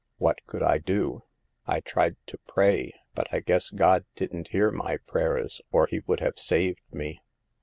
What could I do? I tried to pray, but I guess God didn't hear my prayers, or He would have saved me.